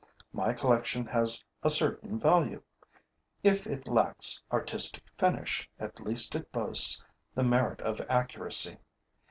My collection has a certain value. If it lacks artistic finish, at least it boasts the merit of accuracy.